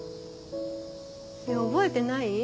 覚えてない？